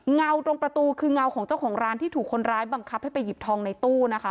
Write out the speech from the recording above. ตรงประตูคือเงาของเจ้าของร้านที่ถูกคนร้ายบังคับให้ไปหยิบทองในตู้นะคะ